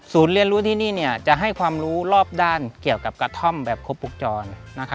เรียนรู้ที่นี่จะให้ความรู้รอบด้านเกี่ยวกับกระท่อมแบบครบวงจร